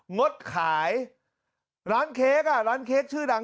งดขายร้านเค้กอ่ะร้านเค้กชื่อดัง